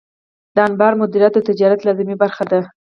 د انبار مدیریت د تجارت لازمي برخه ده.